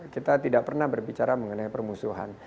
kita tidak pernah berbicara mengenai permusuhan